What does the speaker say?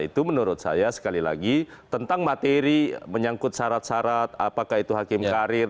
itu menurut saya sekali lagi tentang materi menyangkut syarat syarat apakah itu hakim karir